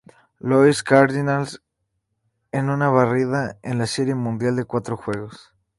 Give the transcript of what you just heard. Louis Cardinals en una barrida en la Serie Mundial en cuatro juegos.